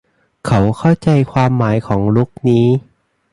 เขาเข้าใจความหมายของลุคนี้